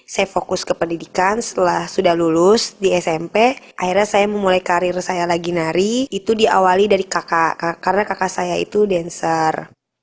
saya fokus ke pendidikan setelah sudah lulus di smp akhirnya saya memulai karir saya lagi nari itu diawali dari kakak karena kakak saya itu dancer